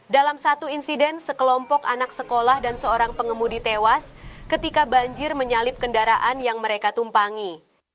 dalam satu insiden sekelompok anak sekolah dan seorang pengemudi tewas ketika banjir menyalip kendaraan yang mereka tumpangi